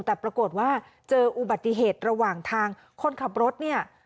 แต่ปรากฏว่าเจออุบัติเหตุระหว่างทางคนขับรถเนี่ย